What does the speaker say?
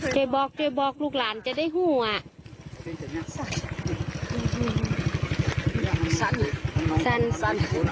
เจยบอกลูกหลานเจ้าได้หั่ว